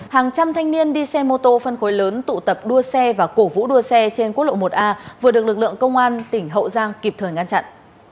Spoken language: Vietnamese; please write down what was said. hàng trăm thanh niên đi xe mô tô phân khối lớn tụ tập đua xe và cổ vũ đua xe trên quốc lộ một a vừa được lực lượng công an tỉnh hậu giang kịp thời ngăn chặn